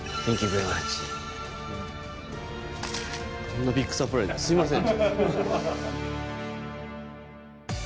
こんなビッグサプライズすいません。